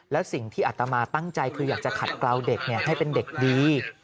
แล้วสิ่งที่อัตมาตั้งใจคืออยากจะขัดกล่าวเด็กให้เป็นเด็กดี